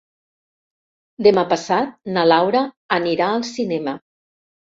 Demà passat na Laura anirà al cinema.